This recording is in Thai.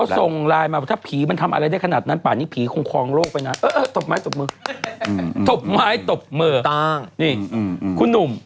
ส่งไลน์มาว่าถ้าผีมันทำอะไรได้ขนาดนั้นป่านนี้ผีคงคลองโลกไปนะตบไม้ตบมือตบไม้ตบมือนี่คุณหนุ่ม